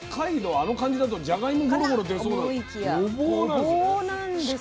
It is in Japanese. あの感じだとじゃがいもゴロゴロ出そうだと。